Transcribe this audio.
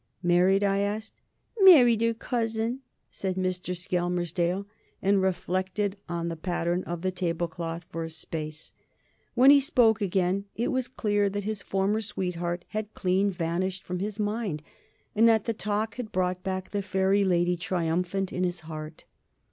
"Married?" I asked. "Married 'er cousin," said Mr. Skelmersdale, and reflected on the pattern of the tablecloth for a space. When he spoke again it was clear that his former sweetheart had clean vanished from his mind, and that the talk had brought back the Fairy Lady triumphant in his heart.